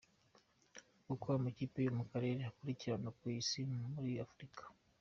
Uko amakipe yo mu karere akurikirana ku isi no muri Afurika.